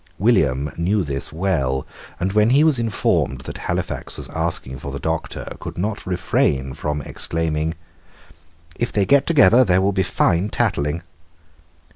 William knew this well, and, when he was informed that Halifax was asking for the Doctor, could not refrain from exclaiming, "If they get together there will be fine tattling."